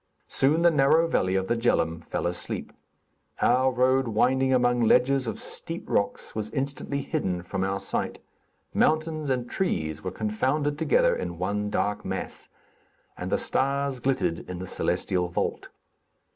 Soon the narrow valley of the Djeloum fell asleep. Our road winding along ledges of steep rocks, was instantly hidden from our sight; mountains and trees were confounded together in one dark mass, and the stars glittered in the celestial vault.